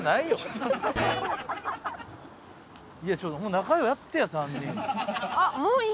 仲良うやってや３人。